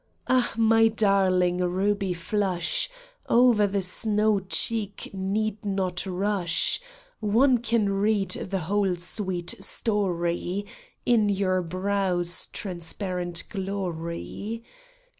Ah, my darling, ruby flush O'er the snow cheek need not rush — One can read the whole sweet story In your brow's transparent glory.